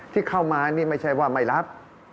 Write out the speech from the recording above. ที่เข้ามานี่ไม่ใช่ว่าไม่รับ